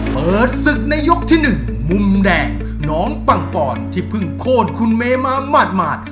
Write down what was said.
เปิดศึกในยกที่๑มุมแดงน้องปังปอนที่เพิ่งโคตรคุณเมมาหมาด